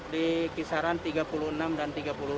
di kisaran tiga puluh enam dan tiga puluh